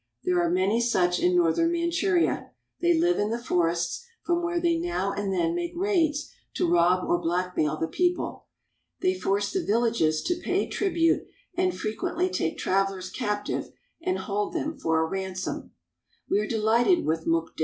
There are many such in northern Manchuria. They live in the forests, from where they now and then make raids to rob or blackmail the people. They force the villages to pay trib ute, and frequently take travelers captive and hold them for a ransom. We are delighted with Mukden.